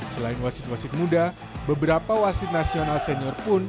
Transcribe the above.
selain wasit wasit muda beberapa wasit nasional senior pun